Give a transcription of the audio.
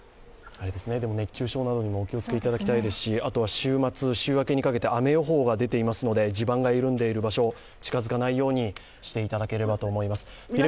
熱中症などにもお気をつけいただきたいですし、週末、週明けにかけて雨予報が出ていますので、地盤が緩んでいる場所、近づかないようにしていただければと思います。